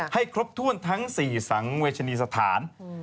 ให้ครบถ้วนทั้ง๔สังเวชนีสถาน